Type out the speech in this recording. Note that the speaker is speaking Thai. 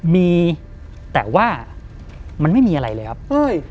มีแต่ว่ามันไม่มีอะไรเลยครับเอ้ย